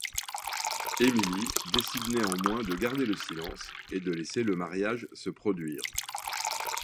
Émile décide néanmoins de garder le silence et de laisser le mariage se produire.